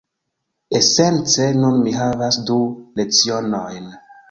Esence nun mi havas du lecionojn.